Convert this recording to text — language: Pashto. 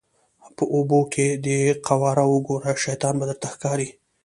په اوبو کې دې قواره وګوره شیطان به درته ښکاري.